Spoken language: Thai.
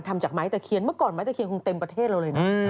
ทำจากไม้ตะเคียนเมื่อก่อนไม้ตะเคียนคงเต็มประเทศเราเลยนะ